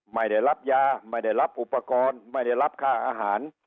ไม่ได้รับยาไม่ได้รับอุปกรณ์ไม่ได้รับค่าอาหาร